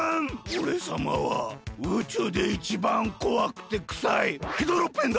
おれさまはうちゅうでいちばんこわくてくさいヘドロッペンだ！